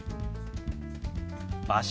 「場所」。